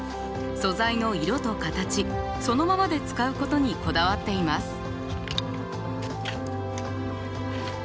素材の色と形そのままで使うことにこだわっています。